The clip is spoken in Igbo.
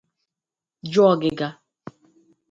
jụ ọgịga